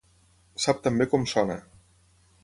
Sap tan bé com sona.